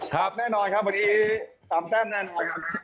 ครับแน่นอนครับวันนี้๓แต้มแน่นอนครับ